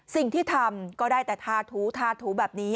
สิ่งที่ทำก็ได้แต่ทาถูทาถูแบบนี้